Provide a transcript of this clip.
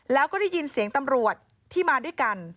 แล้วก็ได้ยินเสียงตำรวจที่มาด้วยกัน